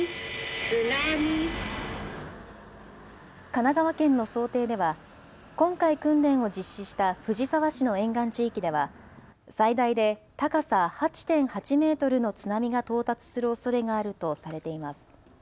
神奈川県の想定では今回、訓練を実施した藤沢市の沿岸地域では最大で高さ８．８メートルの津波が到達するおそれがあるとされています。